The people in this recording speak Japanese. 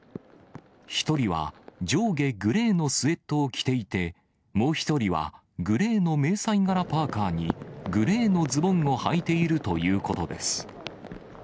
１人は上下グレーのスエットを着ていて、もう１人はグレーの迷彩柄パーカーにグレーのズボンをはいているということです。